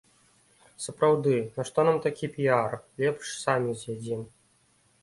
Сапраўды, нашто нам такі піяр, лепш самі з'ядзім.